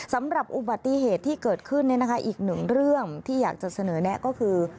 สำหรับอุบัติเหตุที่เกิดขึ้นอีกหนึ่งเรื่องที่อยากจะเสนอแนะก็คือ